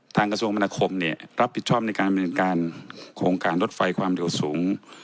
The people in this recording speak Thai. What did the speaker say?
กระทรวงมนาคมเนี่ยรับผิดชอบในการบริเวณการโครงการรถไฟความเร็วสูง